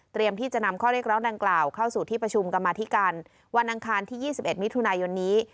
ที่จะนำข้อเรียกร้องดังกล่าวเข้าสู่ที่ประชุมกรรมาธิการวันอังคารที่๒๑มิถุนายนนี้